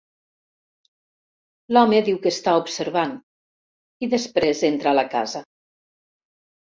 L'home diu que està observant, i després entra a la casa.